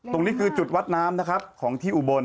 ตรงนี้คือจุดวัดน้ำนะครับของที่อุบล